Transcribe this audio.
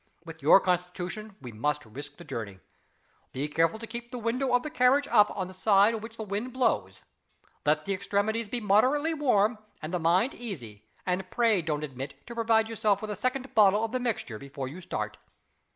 With your constitution, we must risk the journey. Be careful to keep the window of the carriage up on the side on which the wind blows. Let the extremities be moderately warm, and the mind easy and pray don't omit to provide yourself with a second bottle of the Mixture before you start."